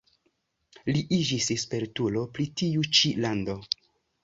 Li iĝis spertulo pri tiu ĉi lando.